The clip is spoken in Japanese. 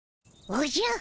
おじゃっ。